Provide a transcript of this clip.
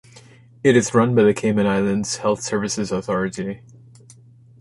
It is run by the Cayman Islands Health Services Authority.